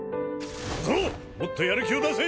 小僧もっとやる気を出せ！